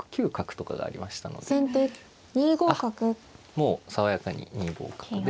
もう爽やかに２五角で。